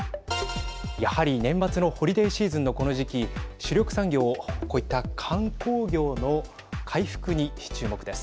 やはり年末のホリデーシーズンのこの時期主力産業、こういった観光業の回復に注目です。